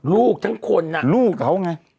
ลูกทั้งคนลูกเขาไง